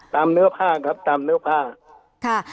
ตามเนื้อผ้าครับตามเนื้อผ้าค่ะ